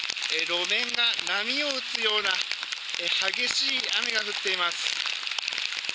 路面が波を打つような激しい雨が降っています。